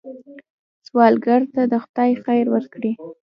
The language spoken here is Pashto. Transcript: سوالګر ته خدای خیر ورکړي